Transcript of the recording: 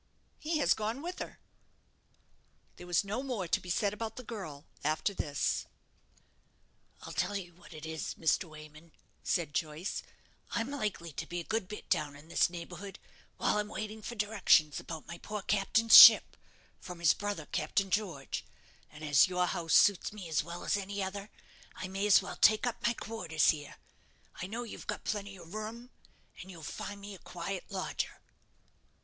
"He has gone with her." There was no more to be said about the girl after this. "I'll tell you what it is, Mr. Wayman," said Joyce, "I'm likely to be a good bit down in this neighbourhood, while I'm waiting for directions about my poor captain's ship from his brother Captain George, and as your house suits me as well as any other, I may as well take up my quarters here. I know you've got plenty of room, and you'll find me a quiet lodger."